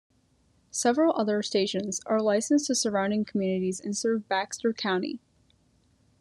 Several other stations are licensed to surrounding communities and serve Baxter County.